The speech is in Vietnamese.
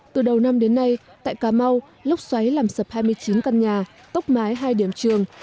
từ đầu năm đến nay tại cà mau lốc xoáy làm sập hai mươi chín căn nhà tốc mái hai điểm trường